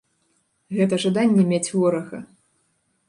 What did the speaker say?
Гэта жаданне мець ворага.